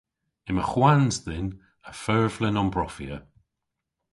Yma hwans dhyn a furvlen ombrofya.